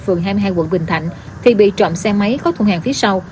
phường hai mươi hai quận bình thạnh thì bị trộm xe máy có thu hàng phía sau